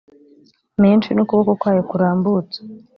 menshi n ukuboko kwayo kurambutse